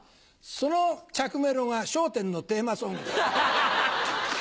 その着メロが『笑点』のテーマソングだった時。